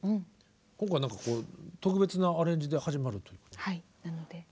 今回何かこう特別なアレンジで始まるということで。